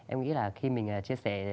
em nghĩ là khi mình chia sẻ